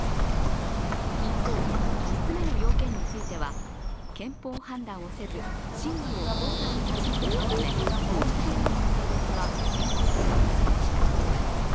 一方、５つ目の要件については、憲法判断をせず、審理を高裁に差し戻したため申立人の性別は変更されませんでした。